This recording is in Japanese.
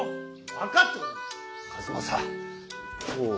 分かっておる！